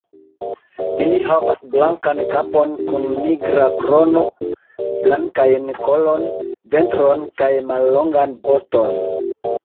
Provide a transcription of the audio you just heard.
Ili havas blankan kapon kun nigra krono, blankajn kolon, ventron kaj mallongan voston.